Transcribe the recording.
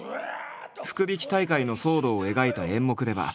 福引き大会の騒動を描いた演目では。